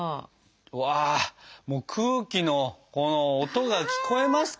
うわもう空気のこの音が聞こえますか？